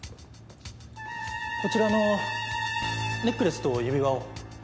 こちらのネックレスと指輪を。